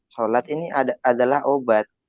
sholat ini adalah obat